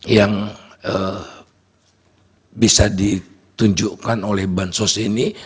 yang bisa ditunjukkan oleh bansos ini